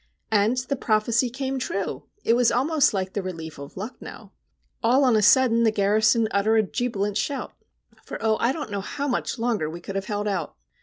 — And the prophecy came true! It was almost like the relief of Lucknow. "All on a sudden the garrison utter a jubilant shout!" For, oh! I don't know how much longer we could have held out.